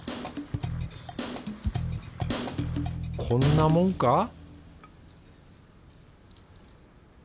こんなもんか？